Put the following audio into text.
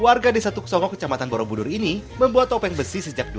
warga desa tuk songo kecamatan borobudur ini membuat topeng besi sejak dua ribu sepuluh